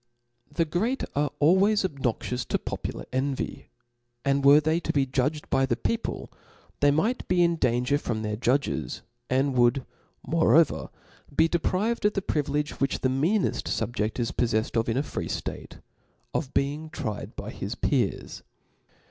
The great are always obnoxious to popular en vy; and were they to be judged by the people, ^ they might be in danger from their judges, and would moreover be deprived of the privilegoK which the meaneft fubjefi is poffeffed of in a free ftate, of being tried by his peers.